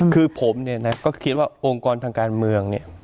คือผมเนี่ยนะก็เขียนว่าองค์กรทางการเมืองเนี่ย